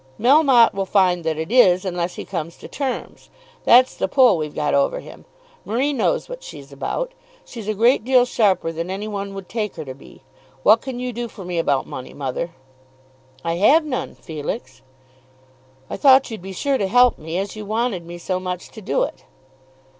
"Melmotte will find that it is, unless he comes to terms. That's the pull we've got over him. Marie knows what she's about. She's a great deal sharper than any one would take her to be. What can you do for me about money, mother?" "I have none, Felix." "I thought you'd be sure to help me, as you wanted me so much to do it."